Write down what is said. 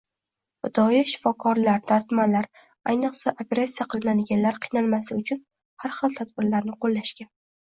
Fidoyi shifokorlar dardmanlar, ayniqsa, operatsiya qilinadiganlar qiynalmasligi uchun har xil tadbirlarni qo‘llashgan